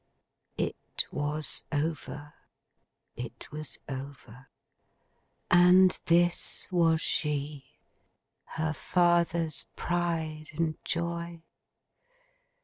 It was over. It was over. And this was she, her father's pride and joy!